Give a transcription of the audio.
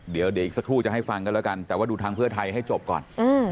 เดี๋ยวอีกสักครู่จะให้ฟังกันแล้วกันแต่ว่าดูทางเพื่อไทยให้จบก่อน